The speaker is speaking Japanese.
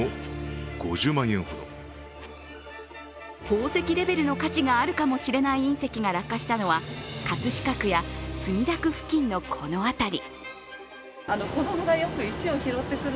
宝石レベルの価値があるかもしれない隕石が落下したのは葛飾区や墨田区付近のこの辺り。